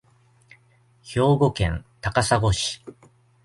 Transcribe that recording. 兵庫県高砂市